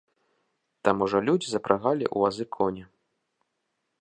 Там ужо людзі запрагалі ў вазы коні.